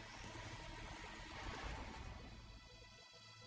mau jadi kayak gini sih salah buat apa